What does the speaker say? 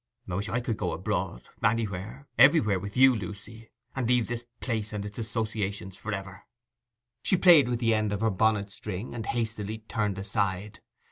'I wish I could go abroad, anywhere, everywhere with you, Lucy, and leave this place and its associations for ever!' She played with the end of her bonnet string, and hastily turned aside.